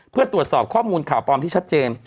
เพื่อตรวจสอบข้อมูลข่าวปลอมที่ชัดเจน